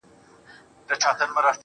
یا څوک څنګه دومره ښه زده کړي او کار کوي